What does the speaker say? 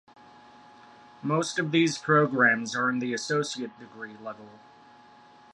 Most of these programs are in the associate degree level.